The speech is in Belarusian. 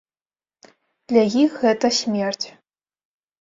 Для іх гэта смерць.